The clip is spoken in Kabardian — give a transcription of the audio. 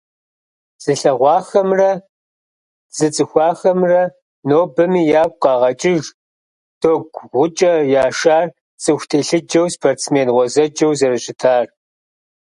Зылъэгъуахэмрэ зыцӀыхуахэмрэ нобэми ягу къагъэкӀыж Догу-ГъукӀэ Яшар цӀыху телъыджэу, спортсмен гъуэзэджэу зэрыщытар.